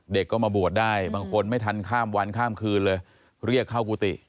เด็กก็มาบวชได้บางคนไม่ทันข้ามวันข้ามคืนเลยเรียกเข้ากุฏิ